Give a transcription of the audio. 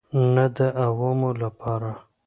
نه د عوامو لپاره.